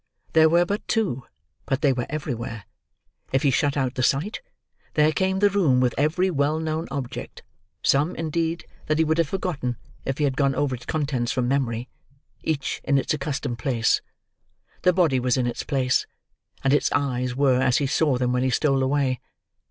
There were but two, but they were everywhere. If he shut out the sight, there came the room with every well known object—some, indeed, that he would have forgotten, if he had gone over its contents from memory—each in its accustomed place. The body was in its place, and its eyes were as he saw them when he stole away.